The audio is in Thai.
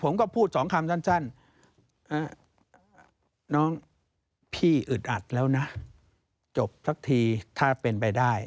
น้องพี่อึดอัดแล้วนะจบสักทีถ้าเป็นไปได้